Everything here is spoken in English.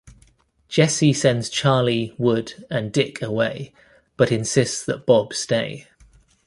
Jesse sends Charley, Wood and Dick away, but insists that Bob stay.